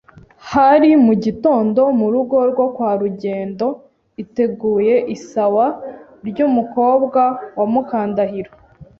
Hari mu gitondo mu rugo rwo kwa Rugendo iteguye isawa ry’umukowa wa Mukandahiro